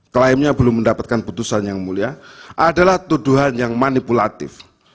kliennya belum mendapatkan putusan yang mulia adalah tuduhan yang manipulatif